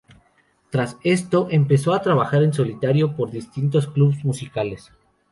Tras esto empezó a trabajar en solitario por distintos clubs musicales.